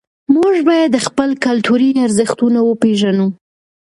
موږ باید خپل کلتوري ارزښتونه وپېژنو.